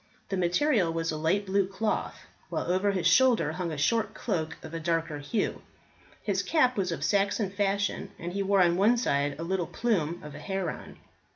The material was a light blue cloth, while over his shoulder hung a short cloak of a darker hue. His cap was of Saxon fashion, and he wore on one side a little plume of a heron.